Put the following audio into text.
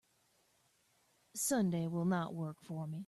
Sunday will not work for me.